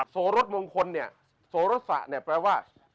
โสรสมงคลเนี่ยโสรสะเนี่ยแปลว่า